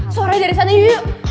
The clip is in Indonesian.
suaranya dari sana yuk